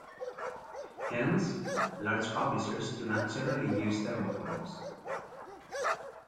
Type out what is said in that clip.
Hence large publishers do not generally use thermoforms.